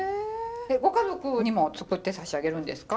ご家族にも作ってさしあげるんですか？